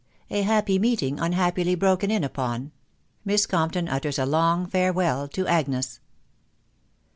A HA PPT MEETING UNHAPPILY BROKEN IV UPON. MISS COMPTON UTTERS A LONG FAREWELL TO AGNES.